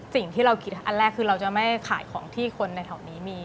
สิ่งที่เราคิดอันแรกคือเราจะไม่ขายของที่คนในแถวนี้มี